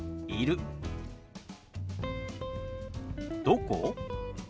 「どこ？」。